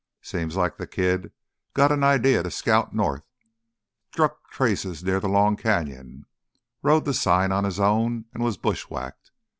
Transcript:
Seems like th' kid got an idear to scout north, struck trace near th' Long Canyon, rode th' sign on his own an' was bushwacked.